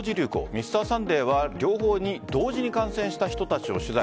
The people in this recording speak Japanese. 「Ｍｒ．サンデー」は両方に同時に感染した人たちを取材。